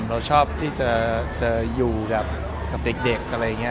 เราชอบที่จะอยู่กับเด็กอะไรอย่างนี้